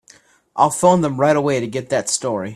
I'll phone them right away to get that story.